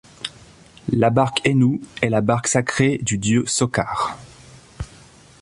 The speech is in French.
La barque Henou est la barque sacrée du dieu Sokar.